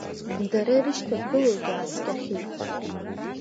Дара ирышьҭагылоугь ааскьахьеит.